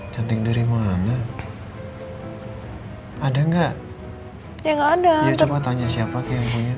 cantik dari mana ada enggak ya enggak ada yang coba tanya siapa yang punya